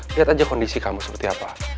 lihat aja kondisi kamu seperti apa